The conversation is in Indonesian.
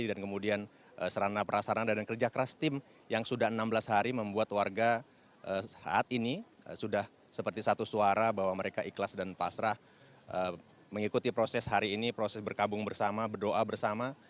dan kemudian serana perasaan dan kerja keras tim yang sudah enam belas hari membuat keluarga saat ini sudah seperti satu suara bahwa mereka ikhlas dan pasrah mengikuti proses hari ini proses berkabung bersama berdoa bersama